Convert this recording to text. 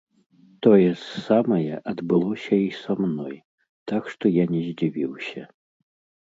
Тое ж самае адбылося і са мной, так што я не здзівіўся.